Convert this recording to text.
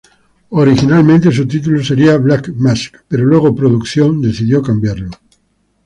Originalmente, su título seria "Black Mask", pero luego la producción decidió cambiarlo.